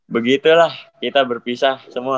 begitulah kita berpisah semua